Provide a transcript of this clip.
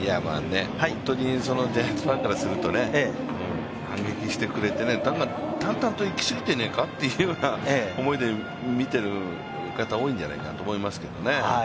本当にジャイアンツファンからすると、反撃してくれて、淡々といきすぎてねぇか？という思いで見ている方も多いんじゃないかと思いますけどね。